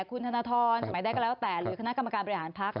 คุณธนทรสมัยใดก็แล้วแต่หรือคณะกรรมการบริหารพักษ